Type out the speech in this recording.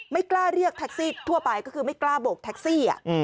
ไม่กล้าเรียกแท็กซี่ทั่วไปก็คือไม่กล้าโบกแท็กซี่